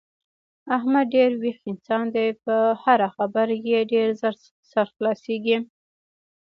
احمد ډېر ویښ انسان دی په هره خبره یې ډېر زر سر خلاصېږي.